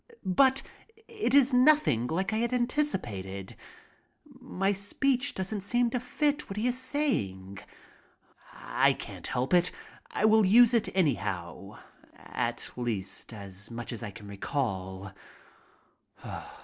But it is nothing like I had anticipated. My speech doesn't seem to fit what he is saying. I can't help it. I will use it anyhow, at least as much as I can recall.